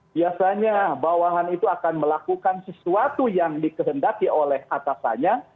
biasanya bawahan itu akan melakukan sesuatu yang dikehendaki oleh atasannya